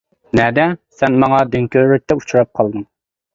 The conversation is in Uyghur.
نەدە؟ سەن ماڭا دۆڭكۆۋرۈكتە ئۇچراپ قالدىڭ.